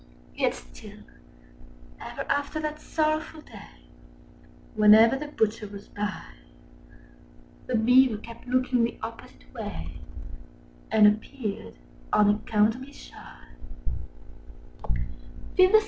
Yet still, ever after that sorrowful day, Â Â Â Â Whenever the Butcher was by, The Beaver kept looking the opposite way, Â Â Â Â And appeared unaccountably shy.